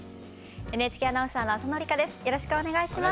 ＮＨＫアナウンサーの浅野里香です。